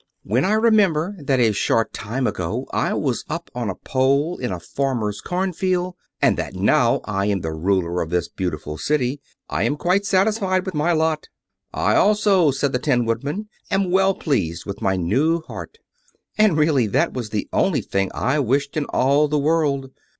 When I remember that a short time ago I was up on a pole in a farmer's cornfield, and that now I am the ruler of this beautiful City, I am quite satisfied with my lot." "I also," said the Tin Woodman, "am well pleased with my new heart; and, really, that was the only thing I wished in all the world."